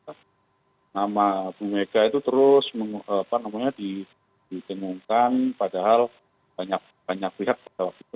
dan nama bumega itu terus ditemukan padahal banyak lihat pada waktu itu